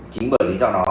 chính bởi lý do đó